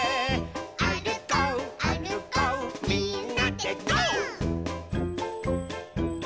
「あるこうあるこうみんなでゴー！」